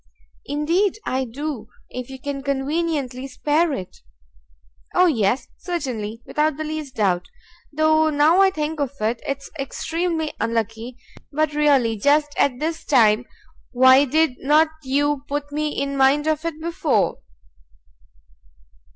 "Indeed I do, if you can conveniently spare it." "O yes, certainly! without the least doubt! Though now I think of it it's extremely unlucky, but really just at this time why did not you put me in mind of it before?"